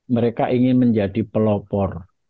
mereka ingin menjadi pelopor